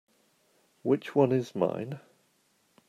Which one is mine?